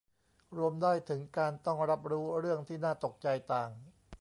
รวมได้ถึงการต้องรับรู้เรื่องที่น่าตกใจต่าง